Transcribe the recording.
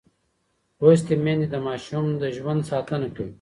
لوستې میندې د ماشوم د ژوند ساتنه کوي.